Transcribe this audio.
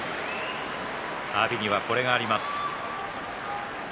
阿炎にはこれがあります。